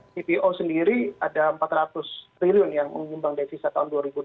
cpo sendiri ada empat ratus triliun yang menyumbang devisa tahun dua ribu dua puluh